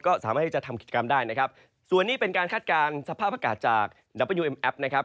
ก็สามารถที่จะทำกิจกรรมได้นะครับส่วนนี้เป็นการคัดการณ์สภาพประกาศ